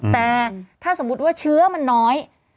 แต่ถ้าสมมุติว่าเชื้อมันน้อย